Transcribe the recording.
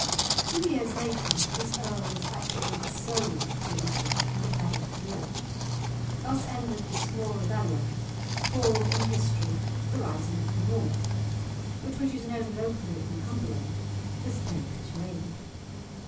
Two years later, this Earl was actually sold to Elizabeth and beheaded at York. Thus ended this small rebellion, called in history the Rising of the North, but which is known locally in Cumberland as Dacre's Raid.